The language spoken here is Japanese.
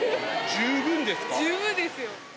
十分ですよ。